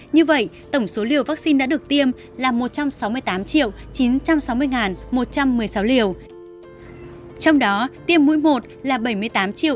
như vậy tổng số liều vaccine đã được tiêm là một trăm sáu mươi tám chín trăm sáu mươi một trăm một mươi sáu liều